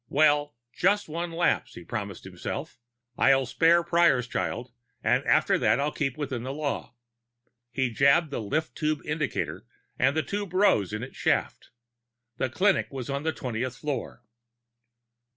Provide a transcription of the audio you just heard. Well, just one lapse, he promised himself. I'll spare Prior's child, and after that I'll keep within the law. He jabbed the lift tube indicator and the tube rose in its shaft. The clinic was on the twentieth floor.